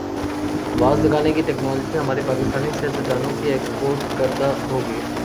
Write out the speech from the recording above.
was لگانے کی technology ہمارے پاکستانی سیاستدا نوں کی ایکسپورٹ کردہ ہوگی